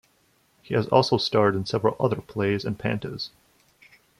He has also starred in several other plays and pantos.